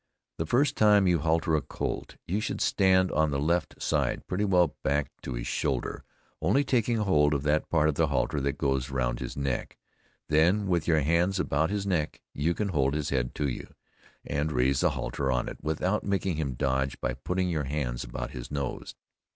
The first time you halter a colt you should stand on the left side, pretty well back to his shoulder only taking hold of that part of the halter that goes around his neck, then with your hands about his neck you can hold his head to you, and raise the halter on it without making him dodge by putting your hands about his nose.